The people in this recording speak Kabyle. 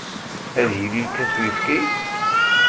Ad yili lkas uyefki?